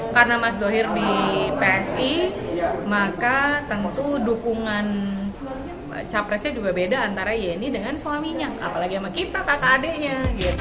karena mas dohir di psi maka tentu dukungan capresnya juga beda antara yeni dengan suaminya apalagi sama kita kakak adeknya